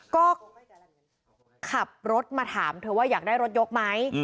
ก็ขับรถมาถามเธอว่าอยากได้รถยกไหม